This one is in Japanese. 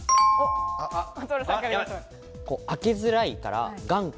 開けづらいから、頑固。